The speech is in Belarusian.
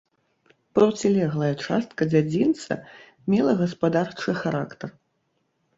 Процілеглая частка дзядзінца мела гаспадарчы характар.